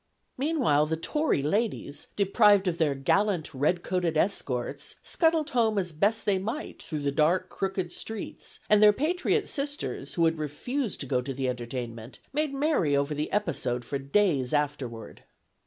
Meanwhile the Tory ladies, deprived of their gallant red coated escorts, scuttled home as best they might through the dark, crooked streets, and their patriot sisters, who had refused to go to the entertainment, made merry over the episode for days afterward.